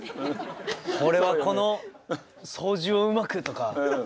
俺はこの操縦をうまく！とか。